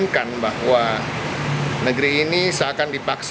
atau calon gubernur dan wakil bupati